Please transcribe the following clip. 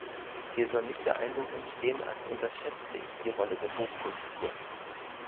Hier soll nicht der Eindruck entstehen, als unterschätze ich die Rolle der Hochkultur.